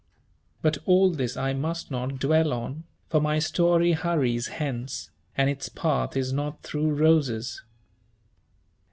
But all this I must not dwell on, for my story hurries hence, and its path is not through roses.